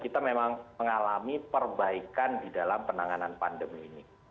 kita memang mengalami perbaikan di dalam penanganan pandemi ini